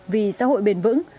vì xã hội bền vững